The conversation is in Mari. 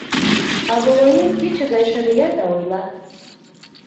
А Волоем кече гай шырия да ойла.